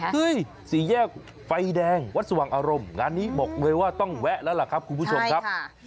สี่แยกไฟแดงวัดสว่างอารมณ์งานนี้บอกเลยว่าต้องแวะแล้วล่ะครับคุณผู้ชมครับ